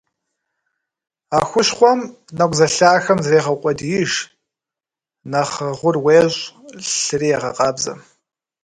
А хущхъуэм нэкӀу зэлъахэм зрегъэукъуэдииж, нэхъ гъур уещӀ, лъыри егъэкъабзэ.